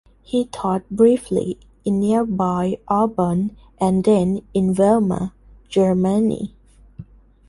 He taught briefly in nearby Aubonne, and then in Weimar, Germany.